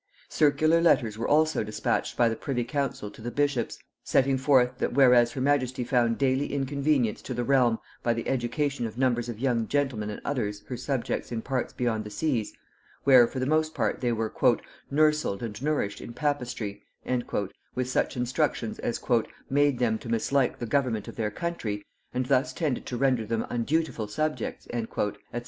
Circular letters were also dispatched by the privy council to the bishops, setting forth, that whereas her majesty found daily inconvenience to the realm by the education of numbers of young gentlemen and others her subjects in parts beyond the seas; where for the most part they were "nourselled and nourished in papistry," with such instructions as "made them to mislike the government of their country, and thus tended to render them undutiful subjects;" &c.